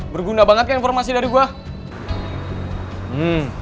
berguna banget ya informasi dari gue